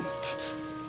ya ampun rampan